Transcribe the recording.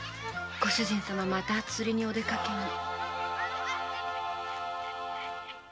ご主人様また釣りにおでかけに。